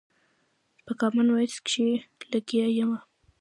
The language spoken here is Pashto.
په کامن وايس کښې لګيا ىمه